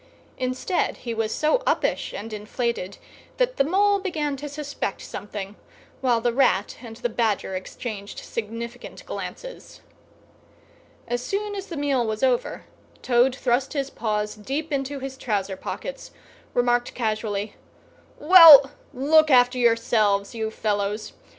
Instead, he was so uppish and inflated that the Mole began to suspect something; while the Rat and the Badger exchanged significant glances. As soon as the meal was over, Toad thrust his paws deep into his trouser pockets, remarked casually, "Well, look after yourselves, you fellows!